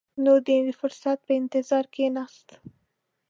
نو د فرصت په انتظار کښېناست.